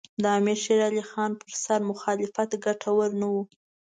د امیر شېر علي خان پر سر مخالفت ګټور نه وو.